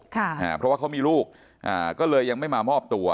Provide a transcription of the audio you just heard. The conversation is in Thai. เพราะว่าเขามีลูกอ่าก็เลยยังไม่มามอบตัว